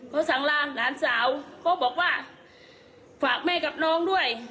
เขาสั่งลามหลานสาวเขาบอกว่าฝากแม่กับน้องด้วย